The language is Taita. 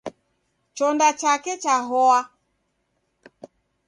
Chonda chake chahoa.